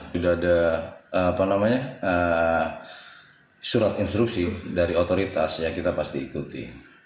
sudah ada apa namanya surat instruksi dari otoritas yang kita pasti ikuti